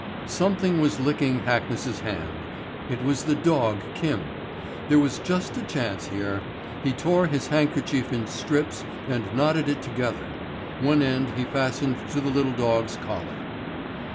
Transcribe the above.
Something was licking Hackness's hand. It was the dog Kim. There was just a chance here. He tore his handkerchief in strips and knotted it together. One end he fastened to the little dog's collar.